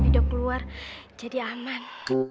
robi udah keluar jadi aman